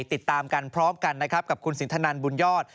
ติดตามกันพร้อมกันนะครับกับคุณสินทนันบุญยอด